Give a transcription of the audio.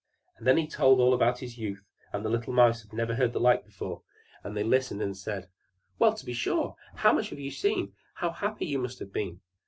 And then he told all about his youth; and the little Mice had never heard the like before; and they listened and said, "Well, to be sure! How much you have seen! How happy you must have been!"